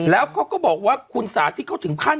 แล้วเขาก็บอกว่าคุณสาธิตเขาถึงขั้น